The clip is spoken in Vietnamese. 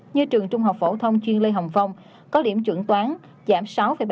như trường trung học phổ thông chuyên lê hồng phong có điểm chuẩn toán giảm sáu bảy mươi năm